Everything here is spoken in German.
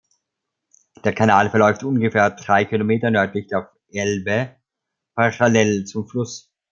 Der Kanal verläuft ungefähr drei Kilometer nördlich der Elbe parallel zum Fluss.